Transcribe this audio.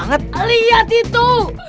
dan setelah itu